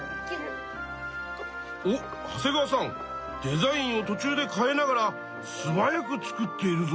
おっ長谷川さんデザインをとちゅうで変えながらすばやく作っているぞ。